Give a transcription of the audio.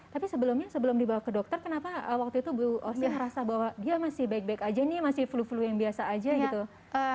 tapi sebelumnya sebelum dibawa ke dokter kenapa waktu itu bu osy merasa bahwa dia masih baik baik aja nih masih flu flu yang biasa aja gitu